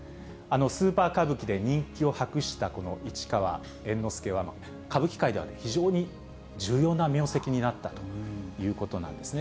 スーパー歌舞伎で人気を博したこの市川猿之助は、歌舞伎界では非常に重要な名跡になったということなんですね。